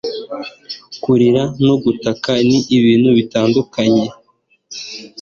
kurira no kugutaka ni ibintu bitandukanye